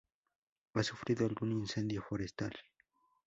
Ha sufrido algún incendio forestal.